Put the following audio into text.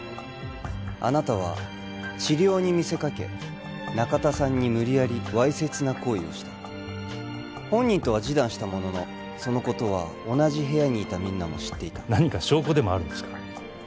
あなたは治療に見せかけ中田さんに無理やりわいせつな行為をした本人とは示談したもののそのことは同じ部屋にいたみんなも知っていた何か証拠でもあるんですか？